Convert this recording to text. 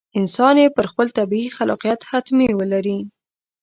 انسان یې پر خپل طبیعي خلاقیت حتمي ولري.